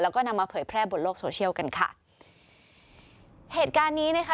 แล้วก็นำมาเผยแพร่บนโลกโซเชียลกันค่ะเหตุการณ์นี้นะคะ